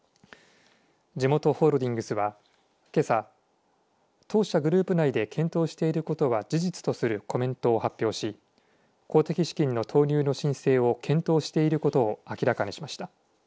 じもとホールディングスはけさ、当社グループ内で検討していることは事実とするコメントを発表し公的資金の投入の申請を検討していることを明らかにしました。